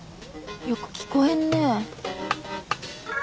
よく聞こえんね。